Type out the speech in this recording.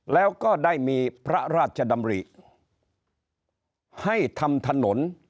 แล้วก็ได้มีพระราชดำริให้ทำถนน